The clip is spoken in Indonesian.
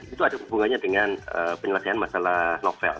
itu ada hubungannya dengan penyelesaian masalah novel